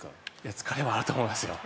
疲れはあると思います。